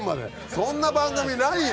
そんな番組ないよ。